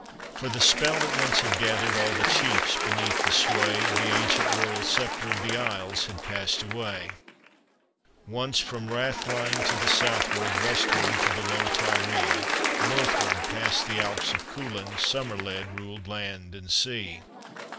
For the spell, that once had gathered, All the chiefs beneath the sway Of the ancient royal scepter Of the Isles, had passed away. Once from Rathline to the southward, Westward to the low Tiree, Northward, past the Alps of Coolin, Somerled ruled land and sea.